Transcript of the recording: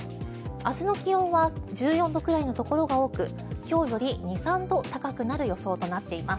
明日の気温は１４度くらいのところが多く今日より２３度高くなる予想となっています。